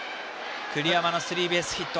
栗山のスリーベースヒット。